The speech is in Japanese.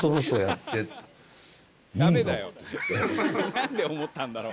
なんで思ったんだろう？